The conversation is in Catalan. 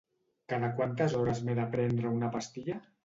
Cada quantes hores m'he de prendre una pastilla?